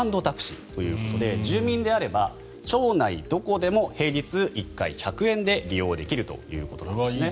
タクシーということで住民であれば町内どこでも平日１回１００円で利用できるということです。